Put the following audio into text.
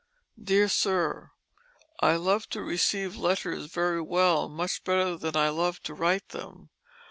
"DEAR SIR: I love to receive letters very well, much better than I love to write them.